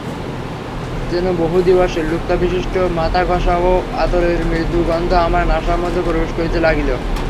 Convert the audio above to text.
যেন বহুদিবসের লুপ্তাবশিষ্ট মাথাঘষা ও আতরের মৃদু গন্ধ আমার নাসার মধ্যে প্রবেশ করিতে লাগিল।